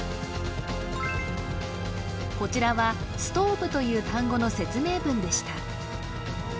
こちらは「ｓｔｏｖｅ」という単語の説明文でした